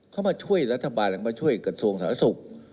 เข้ามาช่วยรัฐบาลมาช่วยกระทรวงสาธารณสุข